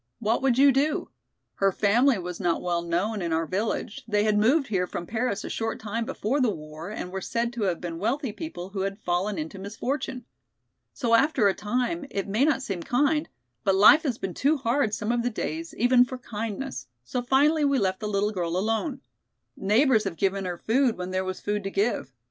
What would you do? Her family was not well known in our village; they had moved here from Paris a short time before the war and were said to have been wealthy people who had fallen into misfortune. So after a time, it may not seem kind, but life has been too hard some of the days even for kindness, so finally we left the little girl alone. Neighbors have given her food when there was food to give.